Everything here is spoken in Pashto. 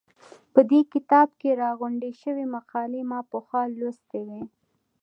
په دې کتاب کې راغونډې شوې مقالې ما پخوا لوستې وې.